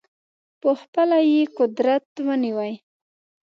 په خپله یې قدرت ونیوی.